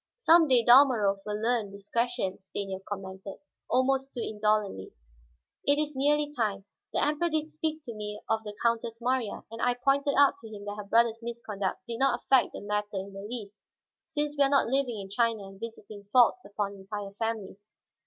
"Some day Dalmorov will learn discretion," Stanief commented, almost too indolently. "It is nearly time. The Emperor did speak to me of the Countess Marya, and I pointed out to him that her brother's misconduct did not affect the matter in the least; since we are not living in China and visiting faults upon entire families.